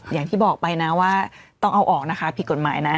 อย่างที่บอกไปนะว่าต้องเอาออกนะคะผิดกฎหมายนะ